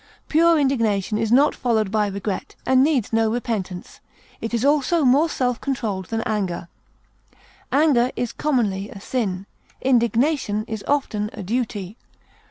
Pure indignation is not followed by regret, and needs no repentance; it is also more self controlled than anger. Anger is commonly a sin; indignation is often a duty.